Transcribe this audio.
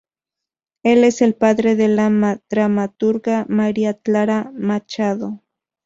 Él es el padre de la dramaturga María Clara Machado.